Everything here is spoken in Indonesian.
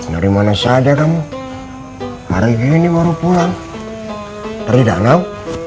dari mana saja kamu hari ini baru pulang dari danau